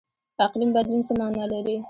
اقلیم بدلون څه مانا لري؟